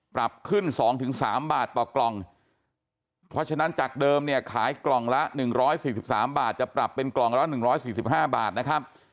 ปรับขึ้น๒๓บาทต่อกล่องเพราะฉะนั้นจากเดิมเนี่ยขายกล่องละ๑๔๓บาทจะปรับเป็นกล่องละ๑๔๕บาทนะครับ